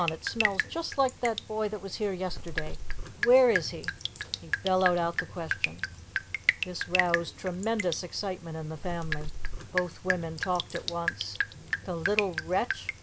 it smells just like that boy that was here yesterday. Where is he?" He bellowed out the question. This roused tremendous excitement in the family. Both women talked at once: "the little wretch!"